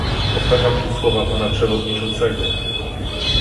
Powtarzam tu słowa pana przewodniczącego